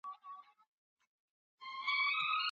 انتقادي فکر زده کوونکي ته د تحلیل لار ښیي.